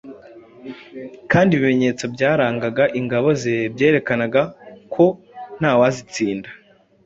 kandi ibimenyetso byarangaga ingabo ze byerekanaga ko nta wazitsinda